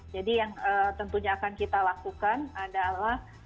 jadi yang tentunya akan kita lakukan adalah